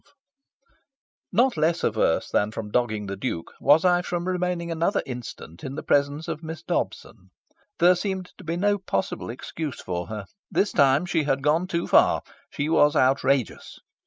XII Not less averse than from dogging the Duke was I from remaining another instant in the presence of Miss Dobson. There seemed to be no possible excuse for her. This time she had gone too far. She was outrageous.